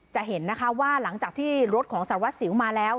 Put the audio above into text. จะเห็นนะคะว่าหลังจากที่รถของสารวัสสิวมาแล้ว